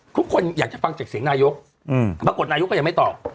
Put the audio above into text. ทุกคนอยากจะฟังจากเสียงนายกปรากฏนายกก็ยังไม่ตอบ